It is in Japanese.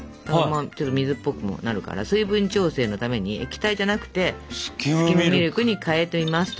ちょっと水っぽくもなるから水分調整のために液体じゃなくてスキムミルクに代えていますと。